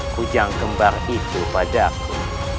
kujang kembar itu padaku